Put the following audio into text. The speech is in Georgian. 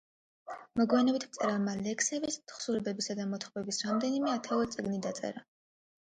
მოგვიანებით მწერალმა ლექსების, თხზულებებისა და მოთხრობების რამდენიმე ათეული წიგნი დაწერა.